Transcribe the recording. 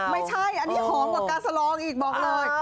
ไม่ใช่อันนี้หอมกว่าการสลองอีกบอกเลย